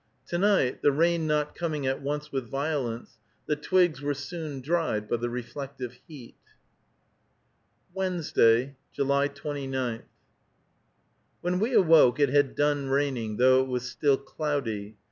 To night, the rain not coming at once with violence, the twigs were soon dried by the reflected heat. WEDNESDAY, July 29. When we awoke it had done raining, though it was still cloudy.